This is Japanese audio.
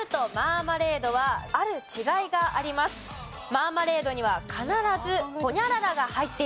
マーマレードには必ずホニャララが入っている。